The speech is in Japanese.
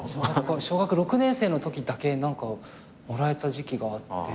小学６年生のときだけ何かもらえた時期があって。